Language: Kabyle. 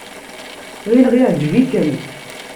Ɣileɣ yeɛjeb-ikem.